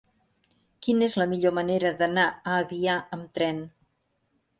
Quina és la millor manera d'anar a Avià amb tren?